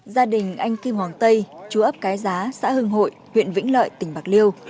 gia đình anh kim hoàng tây chú ấp cái giá xã hưng hội huyện vĩnh lợi tỉnh bạc liêu